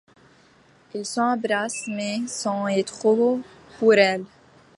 Ils s'embrassent, mais c'en est trop pour elle.